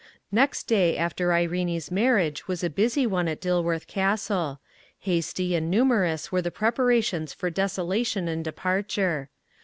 Next day after Irene's marriage was a busy one at Dilworth Castle; hasty and numerous were the preparations for desolation and departure.